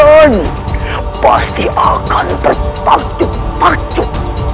dan kalian pasti akan tertarjuk tarjuk